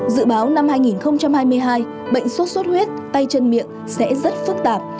dự báo năm hai nghìn hai mươi hai bệnh suốt suốt huyết tay chân miệng sẽ rất phức tạp